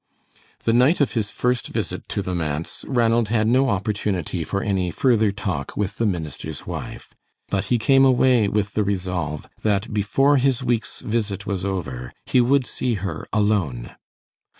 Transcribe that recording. The night of his first visit to the manse Ranald had no opportunity for any further talk with the minister's wife, but he came away with the resolve that before his week's visit was over, he would see her alone.